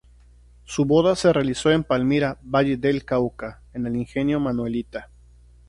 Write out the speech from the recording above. Su boda se realizó en Palmira, Valle del Cauca, en el Ingenio Manuelita.